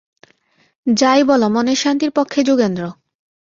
যাই বল, মনের শান্তির পক্ষে— যোগেন্দ্র।